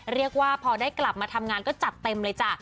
เรียกว่าพอได้กลับมาทำงานก็จัดเต็มเลยจ้ะ